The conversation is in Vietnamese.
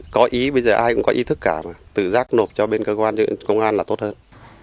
có ý bây giờ ai cũng có ý thức cả và tự giác nộp cho bên cơ quan công an là tốt hơn